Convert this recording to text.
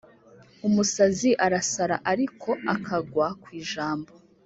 Umusazi arasara ariko akagwa ku ijambo